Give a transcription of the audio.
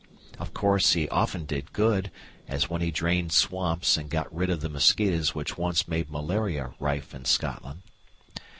Of course, he often did good, as when he drained swamps and got rid of the mosquitoes which once made malaria rife in Scotland.